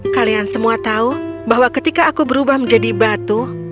kalian semua tahu bahwa ketika aku berubah menjadi batu